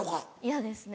嫌ですね。